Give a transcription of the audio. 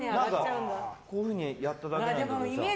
こういうふうにやっただけなのにさ。